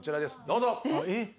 どうぞ。